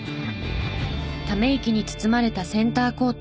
ため息に包まれたセンターコート。